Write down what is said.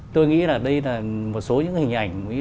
tôi nghĩ là đây là một số những hình ảnh